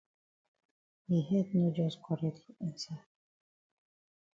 Yi head no jus correct for inside.